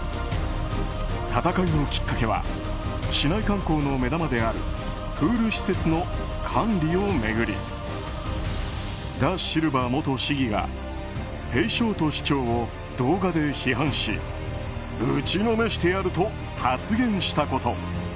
戦いのきっかけは市内観光の目玉であるプール施設の管理を巡りダ・シルバ元市議がペイショート市長を動画で批判しぶちのめしてやる！と発言したこと。